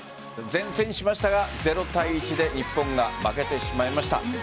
善戦しましたが０対１で日本が負けてしまいました。